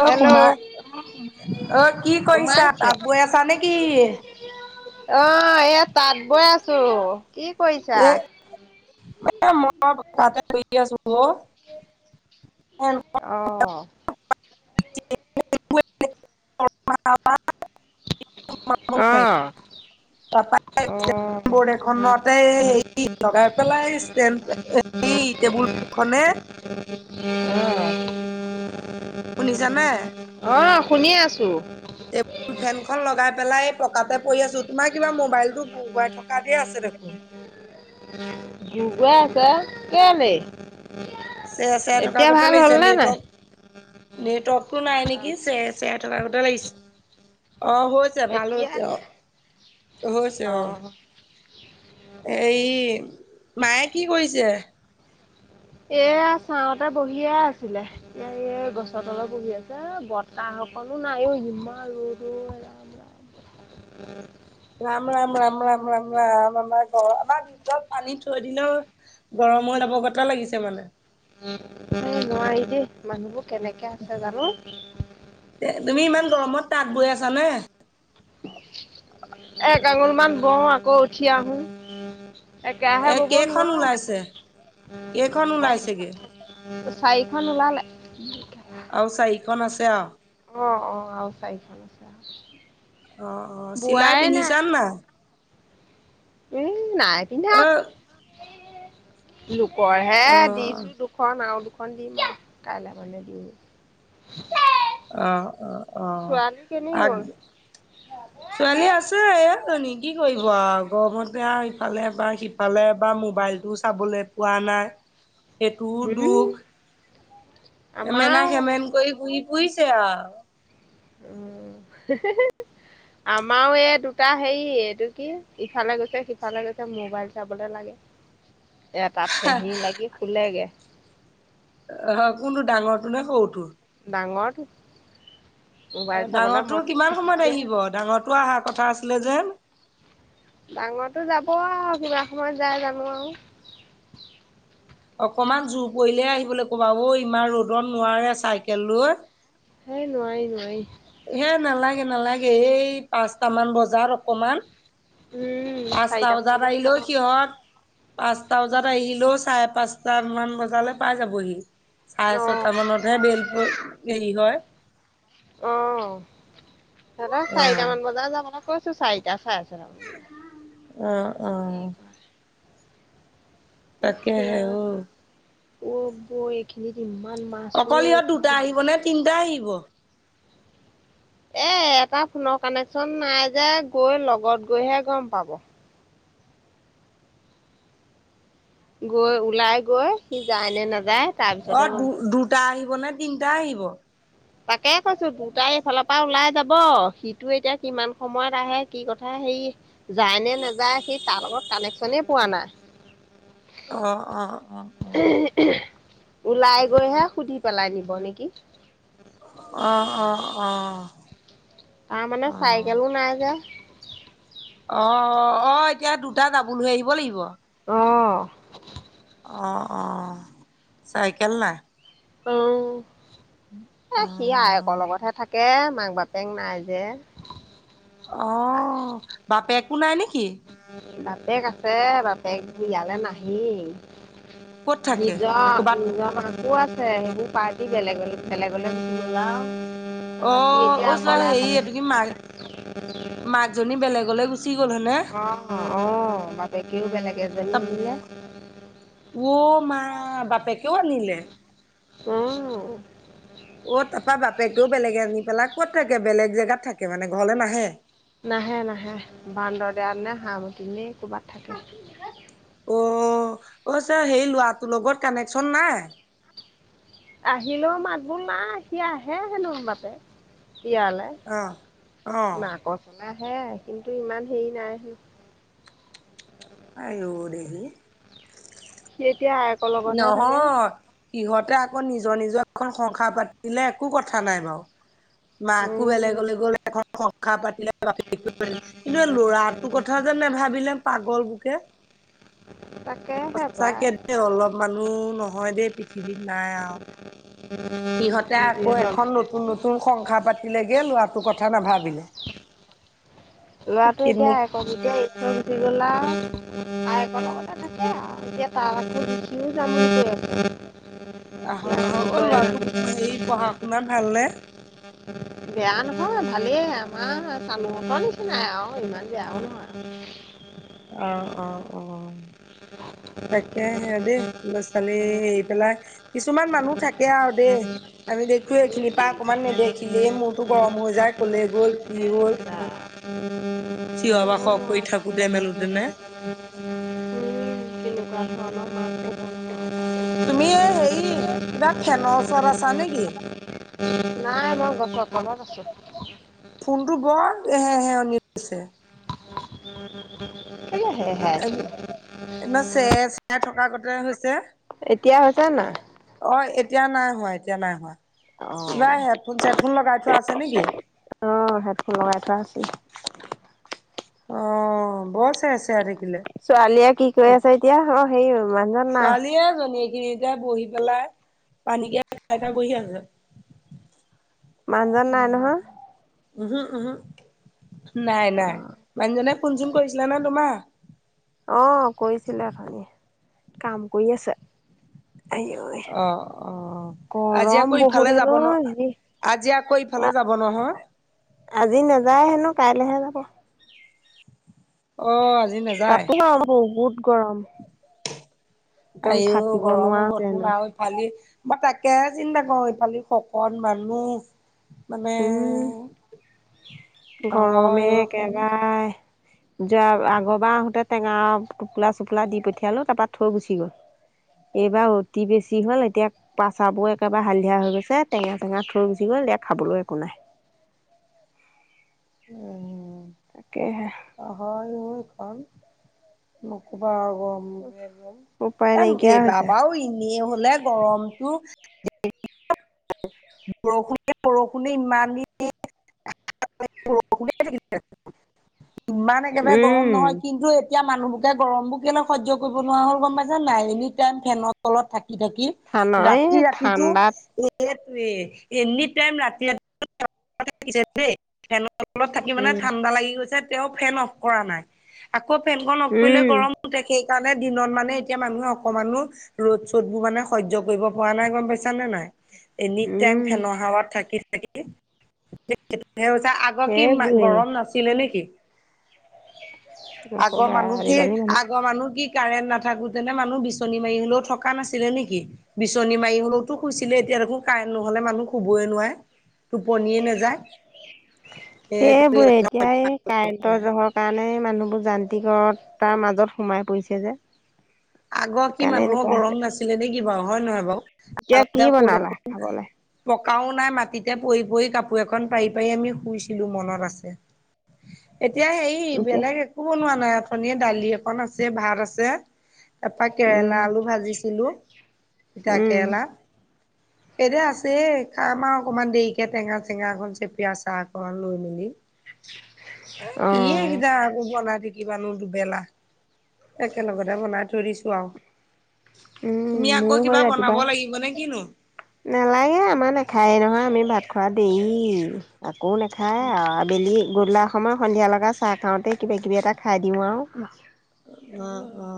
অ hello, Soma অ কি কৰিছা সোমাইছে? তাঁত বৈ আছা নেকি? অ', এয়া তাঁত বৈ আছো, কি কৰিছা? এ এ, মই তাতে বৈ আছো অ'। অ'। [inaudible] অ', অ', বৰ্ড এখনতে হেৰি উম। লগাই পেলাই ষ্টেন্ড এই টেবুলখনে। শুনিছানে? অ', অ', শুনি আছো। টেবুল ফেনখন লগাই পেলাই পকাতে পৰি আছো, তোমাৰ কিবা মবাইল [unintelligible] থ [unintelligible] আছে দেখোন। গোৰ গোৱাই আছে কেলে? চে চে থকা এতিয়া গতা ভাল লাগিছে হ'লনে নাই নেটৱৰ্ক নেটৱৰ্কতটো নাই নেকি চে চে থকা গতা লাগিছ, অ', হৈছ ছে ভাল এতিয়া হৈছে অ', হৈছে অ'। এই মায়ে কি কৰিছে? এয়া চাওঁতে বহিয়ে আছিলে। আইঅ গছৰ তলপ বহি আছে, বতাহ অকণো নাই অই ইমান ৰ'দ অই আ উ [inaudible] [inaudible] ৰাম, ৰাম, ৰাম, ৰাম, ৰাম, ৰাম, আমাৰ ঘ আমাৰ ভিতৰত পানী থৈ দিলেও গৰমৰ তাপ গটা লাগিছে মানে। এই নোৱাৰি দেই মানুহবোৰ কেনেকে আছে জানো। এ, তুমি ইমান গৰমত তাঁত বৈ আছা নে? এক আঙুল মান বওঁ আকৌ উঠি আহো। একেহে এ বব কেইখন ওলাইছে? নোৱাৰো কেইখন ওলাইছেগে? [unintelligible] চাৰিখন ওলালে। আৰু চাৰিখন আছে আ। অ', অ', আৰু চাৰিখন আছে আৰু। অ', অ', চিলাই পিন্ধিচা নাই? উম, নাই পিন্ধাক, অ' লোকৰ হে অ' দিছো দু খন আৰু দুখন দিম, কাইলে মানে দিওঁ। অ', অ', অ', গ'ল [unintelligible] ছোৱালী আছে জনী কি কৰিব আৰু গৰমতে আৰু ইফালে বা সিপ ফালে বা মোবাইলটো চাবলে পোৱা নাই, সেইটোও উম দুখ। এমেনা আমাৰও সেমেন কৰি ঘুহি ফুইছে আৰু। উম। আমাৰো এই দুটা হেৰি এইটো কি ইফালে গৈছে সিফালে গৈছে মোবাইল চাবলে লা এতাত থেহি লাগি খুলেগে। অ হয় কোনটো ডাঙৰটো নে সৰুটো ডাঙৰটো অ মোবাইল চাবলে মই ডাঙৰটো হেনো কিমান সময়ত পিটিকিয়ে আহিব থাকো ডাঙৰটো অহাৰ কথা আছিলে যে ডাঙৰটো যাব আৰু কিমান সময়ত যাই জানো আৰু অকমান জোৰ পৰিলে আহিবলৈ ক'বা অ ইমান ৰ'দত নোৱাৰে চাইকেল লৈ সেই নোৱাৰি নোৱাৰি হে নালাগে নালাগে এই পাঁচটামান বজাত অকমান উম পাঁচটা চাৰিটামান বজাত যাম আহিলেও অ' সিহঁত পাঁচটা বজাত আহিলেও চাৰে পাঁচটা মান বজালৈ পাই যাবহি চাৰে ছয়টা মানতহে বেল পৰি হেৰি হয় অ সেতক চাৰিটা মান অ বজাত যাবলৈ কৈছো চাৰিটা চাৰেচাৰিটাত অ অ ক উফ তাকেহে ৰাম ঔ অ বৌ এইখিনিত ইমান মাছ ঔ পুঠি মাছ তিনটা আহিব এ এটা ফোনৰ কানেকচন নাই যে গৈ লগত গৈহে গম পাব গৈ ওলাই গৈ সি যায় নে নাযায় অ তাৰপিছতহে গম দু পাব। দুটা আহিব নে তিনটা আহিব তাকে কৈছো দুটা ইফালৰ পৰা ওলাই যাব সিটো এতিয়া কিমান সময়ত আহে কি কথা হেৰি যায় নে নাযায় সি তাৰ লগত কানেকচনেই পোৱা নাই অ অ অ ওলাই গৈহে সুধি পেলাই নিব নেকি অ অ অ তাৰ মানে অ চাইকেলো নাই যে অ অ এতিয়া দুটা দাবুল হৈ আহিব লাগিব অঁ অহ অহ চাইকেল নাই উম এ অ সি আইয়েকৰ লগতহে থাকে মাক বাপেক নাই যে অহ বাপেকো নাই নেকি বাপেক আছে বাপেক ইয়ালে নাহেই ক'ত থাকে নিজৰ ক'বাত নিজৰ মাকো আছে সেইবোৰ পাৰটি বেলেগ বেলেগলে গুছি গ'ল আও তাৰপৰা সি এতিয়া অ চোৱা অকলে হেৰি থাকে এইটো কি মাক মাক জনী বেলেগলৈ গুচি গ'ল হয়নে অহ অহ বাপেকেও বেলেগ ত এজনী আনিলে অ মা বাপেকেও আনিলে অ অ তাৰপা বাপেকেও বেলেগে আনি পেলাই কত থাকে বেলেগ জেগাত থাকে মানে ঘৰলৈ নাহে নাহে নাহে বান্দৰ দিয়া নে হাঁহ কিনি ক'ৰবাত থাকে অহ অহ চাই সেই লৰাটোৰ লগত কানেকচন নাই আহিলেও মাত বোল নাই সি আহে হেনো বাপেক ইয়ালে অ অ মাকৰ ফালে আহে কিন্তু ইমান হেৰি নাই সি আইয়ো দেহি সি এতিয়া আইয়েকৰ লগতহে থাকে নহয় সিহঁতে আকৌ নিজৰ নিজৰ এখন সংসাৰ পাতিলে একো কথা নাই বাৰু মাকো উম, বেলেগলৈ গ'ল এখন সংসাৰ পাতিলে বাপেকে কিন্তু ল'ৰাটোৰ কথা যে নেভাবিলে পাগল বুকে। তাকেহে সচাকে পায় দেই অলপ মানুহ নহয় দেই। পৃথিৱীত নাই আও সিহঁতে আকৌ যিয়ে জন্ম এখন নতুন দিলে নতুন- সংসাৰ পাতিলেগে ল'ৰাটোৰ কথা নাভাবিলে। লৰাটোৱে এতিয়া কিডনী এক- এতিয়া উঠি গল আও ককায়েক কথা থাকে আও এতিয়া তাৰ আকৌ- সিয়ো যাম বুলি কৈ আছে। আহক এতিয়া কি আহক অ কৰে ল'ৰাটো জানো হেৰি পঢ়া শুনাত ভালনে? বেয়া নহয় ভালেই আমাৰ চানুহঁতৰ নিচিনাই আও ইমান বেয়াও নহয়। অঁ অঁ অঁ, তাকে সে দেই। ল'ৰা ছোৱালী এৰি পেলাই কিছুমান মানুহ থাকে আৰু দেই। আমি দেখো এইখিনিৰ পা এই অকমান নেদেখিলেই মূৰটো গৰম হৈ যায় কলৈ গ'ল কি হ'ল? বা, ক'ব চিঞৰ বাসৰ কৰি নোৱাৰো থাকোতে মেলোত- জোনে- উম, [unintelligible] তুমি এই হেৰি কিবা ফেনৰ ওচৰত আছা নেকি? নাই মই গছৰ তলত আছো। ফোনটো বৰ হে হেয়নী উঠিছে। কেলে হে সেয়াই আছে? ইমান চে চেৰ থকাগতে হৈছে। এতিয়া হৈছে নে নাই? অঁ' এতিয়া নাই হোৱা এতিয়া নাই হোৱা কিবা হেডফোন চেডফোন লগাই থ- অঁ' হেডফোন লগাই থোৱা আছিলে। অঁ বৰ চেৰ চেৰাই থাকিলে। ছোৱালীয়ে কি কৈ আছে এতিয়া অঁ সেই মানুহ- ছোৱালীয়ে জনী কি- এতিয়া বহি পেলাই পানীকে খাই খাই বহি আছে। মানুহজন উম নাই উম' নহয়। উমহু উমহু' নাই নাই মানুহজনে ফোন চোন কৰিছিলা নে তোমাৰ? অঁ' কৰিছিলে অথনি কাম কৰি আছে। আইঐ অ অ আজি গৰম আকৌ ইফালে বহুত হেন যাব ঐ ন আজি। আজি আকৌ ইফালে যাব নহয়। আজি নাযায় হেনো কাইলৈহে যাব। অ' আজি নেজ- তাতো ন বহুত গৰম। একদম আইও থাকিব গৰম নোৱাৰা হ'ব হৈছে তোন হেনো। আও। ইফালি মই তাকে চিন্তা কৰো ইফালি শকত মানুহ- উম, মানে- হয় গৰমে অ একেবাই। যোৱা আগৰবাৰ আহোঁতে টেঙা টোপোলা চোপলা দি পঠিয়ালোঁ তাপা থৈ গুচি গ'ল। এইবাৰ অতি বেছি হ'ল এতিয়া- পাছাবোৰ একেবাৰে হালধিয়া হৈ গৈছে টেঙা চেঙা থৈ গুচি গ'ল এতিয়া খাবলো একো নাই। উম' তাকেইহে। অ হয় অও এখন নকবা আৰু গৰম। উপায় আৰু নাইকিয়া এইবাৰ হৈছে বাৰু এনেই হলে গৰমটো বৰষুণে বৰষুণে ইমান দিন [unintelligible] ইমান একেবাৰে গৰম উম নহয় কিন্তু এতিয়া মানুহবোৰকে গৰমবোৰ কেলে সহ্য কৰিব নোৱাৰা হল গম পাইছা নাই? এনি টাইম ফেনৰ তলত থাকি থাকি। ঠান এই ৰাতি ৰাতিটো ঠাণ্ডাত এইটোৱে এনি টাইম ৰাতি [unintelligible] লাগিছে দেই, ফেনৰ তলত থাকি মানে উম ঠাণ্ডা লাগি গৈছে তেওঁ ফেন অফ কৰা নাই। আকৌ ফেনখন অফ কৰিলে উম গৰম উঠে সেইকাৰণে দিনত মানে এতিয়া মানুহে অকমানো ৰ'দ -চ'দবোৰ মানে সহ্য কৰিব পৰা নাই গম পাইছা নে নাই? এনি টাইম উম ফেনৰ হাৱাত থাকি থাকি। [unintelligible] হৈছে আগত কি মা সেইবোৰেই গৰম নাছিলে নেকি? [inaudible] আগৰ নকবা মানুহ কি, আজিকালি আগৰ মানুহ কি কাৰেণ্ট নাথাকোতেনে মানুহ বিচনী মাৰি হলেও থকা নাছিলে নেকি? বিচনী মাৰি হ'লওতো শুইছিলে এতিয়া দেখোন কাৰেণ্ট নহ'লে মানুহ শুবই নোৱাৰে। টোপনিয়ে নাযায়। এই সেইবোৰে এতিয়া এই কাৰেণ্টৰ জহৰত কাৰণে মানুহবোৰ যান্ত্ৰিক তাৰ মাজত সোমাই পৰিছে যে। আগৰ কি সেইকাৰণে মানুহৰ এনেকুৱা হৈছে গৰম নাছিলে নেকি বাৰু হয় নহয় বাৰু? এতিয়া কি বনালা আগতে [unintelligible] খাবলে পকাও নাই মাটিতে পৰি পৰি কাপোৰ এখন পাৰি পাৰি আমি শুইছিলো মনত আছে। এতিয়া হেৰি এতিয়া বেলেগ একো বনোৱা নাই অথনিৰে দালি এখন আছে, ভাত আছে। তাৰপা কেৰেলা উম আলু ভাজিছিলো, তিতা উম কেৰেলা। এনে আছে, খাম আৰু অকণমান দেৰিকে টেঙা - চেঙা অকণ চেপি আচাৰ অকণ লৈ মেলি। এ, অ কি এ কেইটা আকৌ বনাই থাকিম। কিবানো দুবেলা, একেলগতে বনাই থৈ দিছো আৰু। উম তুমি মোৰ আকৌ হয় কিবা ৰাতিপুৱা বনাব লাগিব নে কিনো? নালাগে আমাৰ নাখায়ে নহয় আমি ভাত খোৱা দেৰি আকৌ নাখায় আ। আবেলি গধূলা সময়ত সন্ধিয়া লগা চাহ খাওতে কিবা কিবি এটা খাই দিও আৰু। অ অ।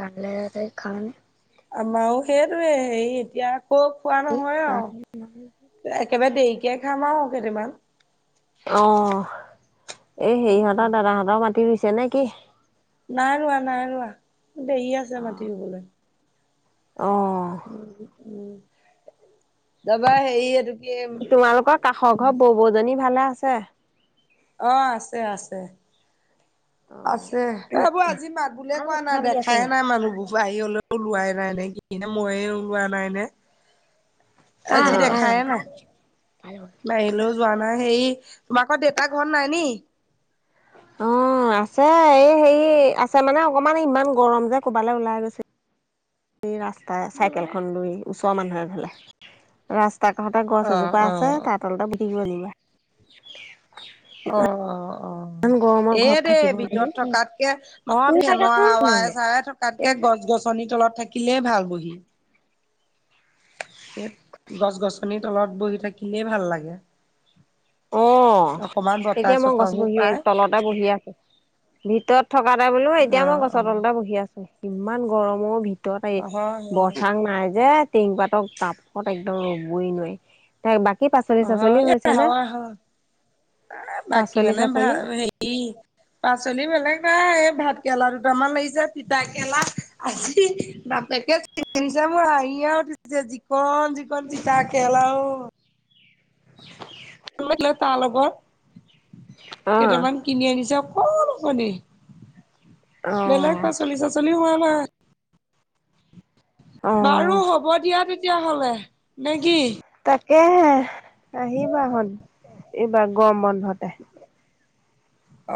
ৰান্ধিলে তাতেই খাও। আমাৰো সেইটোয়ে হেৰি এতিয়া আকৌ খোৱা নহয় আৰু। একেবাৰে দেৰিকে খাম আৰু কেতিয়াবা। অ, এ অ হেৰিহঁতৰ দাদাহঁতৰ মাটি ৰুইছে নেকি? নাই ৰোৱা নাই ৰোৱা, দেৰি আছে মাটি ৰুবলৈ। অঁ। উম উম, তাপা হেৰি এইটো কি তোমালোকৰ কাষৰ ঘৰ বৌবৌজনী ভালে আছে? অ' আছে, আছে। আছে, এইবোৰ আজি মাত বুলিয়ে ভাল কোৱা কথা নাই পাতি আছো দেখাই নাই মানুহবোৰ। বোৱাৰী হলেও ওলোৱাই নাই নেকি নে মইয়ে ওলোৱা নাই নে? কাৰ আজি কাৰ লগত দেখাই কথা নাই, পাতিছো কাৰ লগত বাৰীলৈ। যোৱা নাই হেৰি তোমালোকৰ দেউতা ঘৰত নাই নি? অ', আছে এই হেৰি আছে মানে অকমান ইমান গৰম যে ক'বালে ওলাই গৈছে। ই ৰাস্তাই চাইকেলখন লৈ ওচৰৰ মানুহ এঘৰলে। ৰাস্তা কাষতে গছ অ' এজোপা আছে অ' অ'। তাৰ তলতে বহি [unintelligible] অ', অ', ইমান গৰমত অ' ঘৰত থাকিব এইটোৱে নোৱাৰি। ভিতৰত থকাতকে অ' তুমি চাগে ফেনৰ কোন হাৱাই ফালে? চাৰে থকাতকে গছ-গছনি তলত থাকিলেই ভাল বহি। সেই গছ-গছনিৰ তলত বহি থাকিলেই ভাল লাগে। অ', অকমান বতাহ এতিয়া মই গছ চতাহো বহিয়ে পায় তলতে বহি আছোঁ। ভিতৰত থকা নাই বোলো, অ এতিয়া মই গছৰ তলতে বহি আছোঁ। ইমান গৰমৰ অ' ভিতৰত এই অ হয় হয় বৰচাং নাই যে। টিং পাতৰ তাপত একদম ৰ'বই নোৱাৰি। বাকী হয় পাচলি-চাচলি এই হৈছে নে? হয় হয় বাকী মানে পাচলি-চাচলি। [unintelligible] পাচলি বেলেগ নাই, এই ভাতকেৰেলা দুটামান লাগিছে তিতাঁকেলা আজি বাপেকে [unintelligible] হাঁহিয়ে উঠিছে। যিকণ, যিকণ তিতাঁকেৰেলা অ'। [inaudible] [unintelligible] তাৰ লগৰ অ'। কেইটামান কিনি আনিছে, অকণ অকণি বেলেগ অ', পাচলি-চাচলি হোৱা নাই। বাৰু অ', হ'ব দিয়া তেতিয়াহ'লে নে কি? তাকেহে, আহিবাহঁত এইবাৰ গৰম বন্ধতে।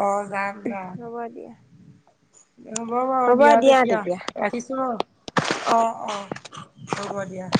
অ', যাম। যাম হ'ব, দিয়া। হ'ব বাৰু দিয়া তেতিয়া। ৰাখিছোঁ ন' অ', অ', হ'ব দিয়া।